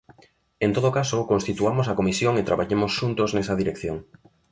En todo caso, constituamos a comisión e traballemos xuntos nesa dirección.